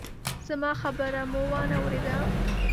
زما خبره مو وانه ورېده!